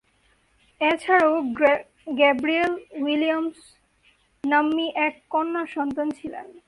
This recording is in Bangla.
এছাড়াও, গ্যাব্রিয়েল উইলিয়ামস নাম্নী এক কন্যা সন্তান ছিল।